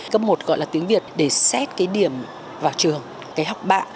cấp một gọi là tiếng việt để xét cái điểm vào trường cái học bạ